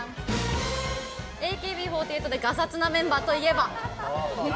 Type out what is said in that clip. ＡＫＢ４８でガサツなメンバーといえば？